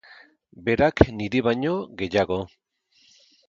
Berak niri baino gehiago.